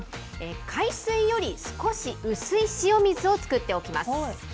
海水より少し薄い塩水を作っておきます。